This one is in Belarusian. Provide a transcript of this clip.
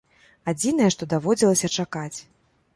Адзінае, што даводзілася чакаць.